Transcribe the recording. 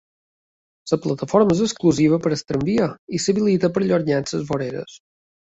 La plataforma és exclusiva per al tramvia i s'habilita perllongant les voreres.